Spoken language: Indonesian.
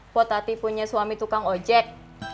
buat tati punya suami tukang ojek